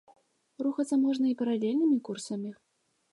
Рухацца можна і паралельнымі курсамі.